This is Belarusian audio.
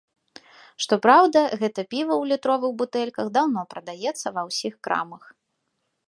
Што праўда, гэта піва ў літровых бутэльках даўно прадаецца ва ўсіх крамах.